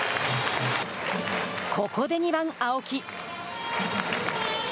ここで２番青木。